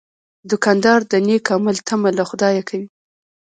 دوکاندار د نیک عمل تمه له خدایه کوي.